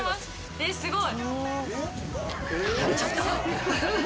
えっすごい！